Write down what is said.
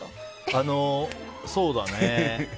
あのそうだね。